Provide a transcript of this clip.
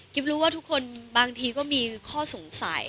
รู้ว่าทุกคนบางทีก็มีข้อสงสัย